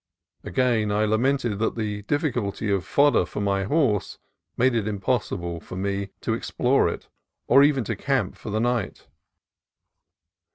Again I lamented that the difficulty of fodder for my horse made it impossible for me to explore it, or even to camp for the night.